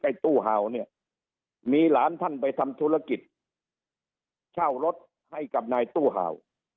ตู้เห่าเนี่ยมีหลานท่านไปทำธุรกิจเช่ารถให้กับนายตู้เห่า